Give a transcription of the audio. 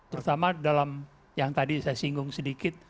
terutama dalam yang tadi saya singgung sedikit